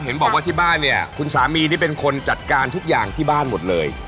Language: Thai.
เห็นบอกว่าที่บ้านเนี่ยคุณสามีนี่เป็นคนจัดการทุกอย่างที่บ้านหมดเลย